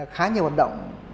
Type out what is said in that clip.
khá nhiều hoạt động